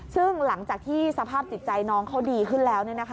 ซึ่งหลังจากที่สภาพจิตใจน้องเขาดีขึ้นแล้ว